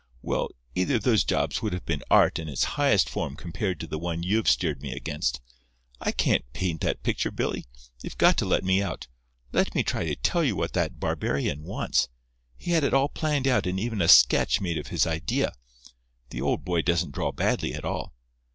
Well, either of those jobs would have been Art in its highest form compared to the one you've steered me against. I can't paint that picture, Billy. You've got to let me out. Let me try to tell you what that barbarian wants. He had it all planned out and even a sketch made of his idea. The old boy doesn't draw badly at all.